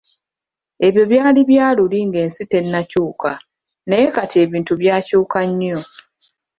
"Ebyo bye byali ebya luli nga ensi tennakyuka, naye kati ebintu byakyuka nnyo."